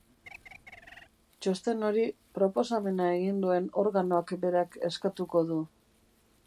Txosten hori proposamena egin duen organoak berak eskatuko du,